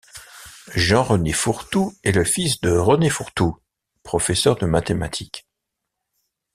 Jean-René Fourtou est le fils de René Fourtou, professeur de mathématiques.